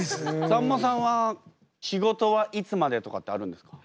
さんまさんは仕事はいつまでとかってあるんですか？